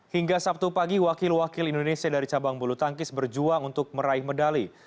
hingga sabtu pagi wakil wakil indonesia dari cabang bulu tangkis berjuang untuk meraih medali